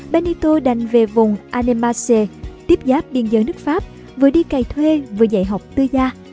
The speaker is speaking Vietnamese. benito đành về vùng anemasse tiếp giáp biên giới nước pháp vừa đi cày thuê vừa dạy học tư gia